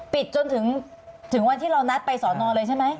จนถึงวันที่เรานัดไปสอนอเลยใช่ไหม